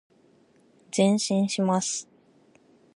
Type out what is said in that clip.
前進します。